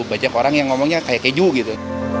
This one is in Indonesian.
banyak orang yang ngomongnya kayak keju gitu